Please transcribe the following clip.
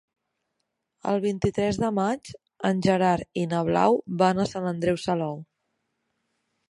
El vint-i-tres de maig en Gerard i na Blau van a Sant Andreu Salou.